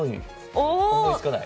思いつかない。